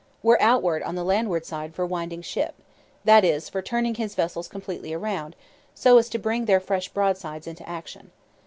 ] were out on the landward side for 'winding ship,' that is, for turning his vessels completely round, so as to bring their fresh broadsides into action.